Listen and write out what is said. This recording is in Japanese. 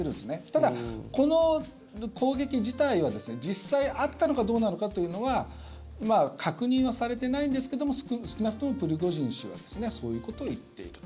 ただ、この攻撃自体は実際あったのかどうなのかというのは確認はされていないんですけども少なくともプリゴジン氏はそういうことを言っていると。